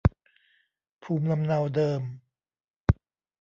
ภูมิลำเนาเดิม